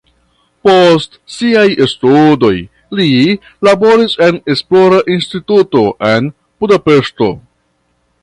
Post siaj studoj li laboris en esplora instituto en Budapeŝto.